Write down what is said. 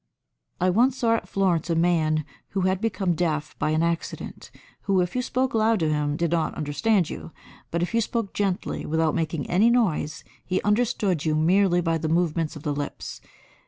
I once saw at Florence a man who had become deaf by an accident, who, if you spoke loud to him, did not understand you, but if you spoke gently, without making any noise, he understood you merely by the movement of the lips.